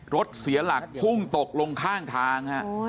รถเสียหลักพุ่งตกลงข้างทาง